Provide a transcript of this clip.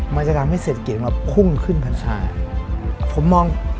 มันจะทำให้เศรษฐกิจของเราพุ่งขึ้นกัน